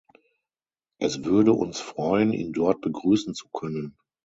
Es würde uns freuen, ihn dort begrüßen zu können.